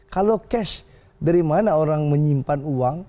kalau cash dari mana orang menyimpan uang